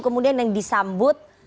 kemudian yang disambut